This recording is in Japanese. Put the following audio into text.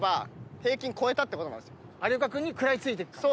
有岡君に食らいついていく感じ。